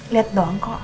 liat doang kok